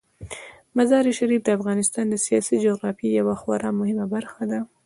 مزارشریف د افغانستان د سیاسي جغرافیې یوه خورا مهمه برخه ده.